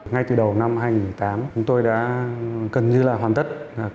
ngay từ đầu năm hai nghìn tám chúng tôi đã gần như là hoàn tất